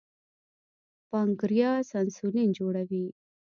پانکریاس انسولین جوړوي.